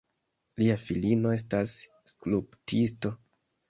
Lia filino estas skulptisto.